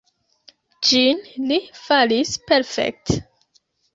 Ĝin li faris perfekte.